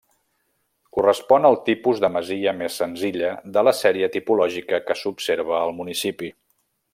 Correspon al tipus de masia més senzilla de la sèrie tipològica que s'observa al municipi.